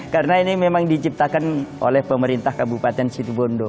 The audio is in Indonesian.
karena ini memang diciptakan oleh pemerintah kabupaten situbondo